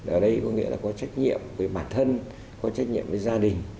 ở đây có nghĩa là có trách nhiệm về bản thân có trách nhiệm với gia đình